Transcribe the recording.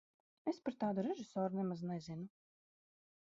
Es par tādu režisoru nemaz nezinu.